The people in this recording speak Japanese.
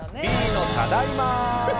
Ｂのただいま。